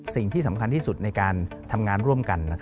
สิ่งที่สำคัญที่สุดในการทำงานร่วมกัน